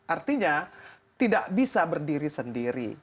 artinya tidak bisa berdiri sendiri